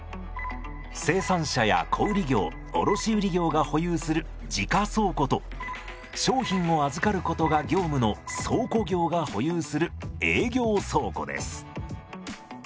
生産者や小売業卸売業が保有する自家倉庫と商品を預かることが業務の倉庫業が保有する営業倉庫です。